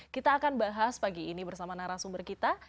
kita akan bahas pagi ini bersama narasumber kita